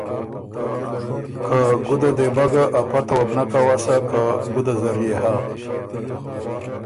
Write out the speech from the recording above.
که ګُده دې بَۀ ګۀ ا پته وه بو نک اؤسا که ګُده زر يې هۀ۔